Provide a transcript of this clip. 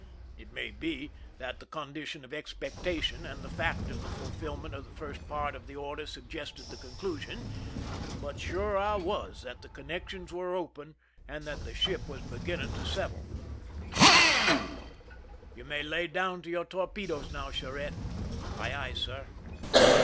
It may be that the condition of expectation and the fact of the fulfilment of the first part of the order suggested the conclusion, but sure I was that the connections were open and that the ship was beginning to settle, " You may ^ lay down ' to your torpedoes now, Charette." " Aye, aye, sir."